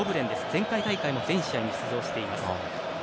前回大会は全試合に出場しています。